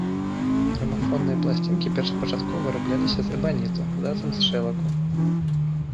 Грамафонныя пласцінкі першапачаткова вырабляліся з эбаніту, затым з шэлаку.